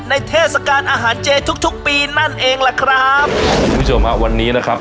เทศกาลอาหารเจทุกทุกปีนั่นเองล่ะครับคุณผู้ชมฮะวันนี้นะครับ